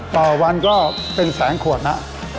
ต่อวันก็เป็นแสนขวดนะ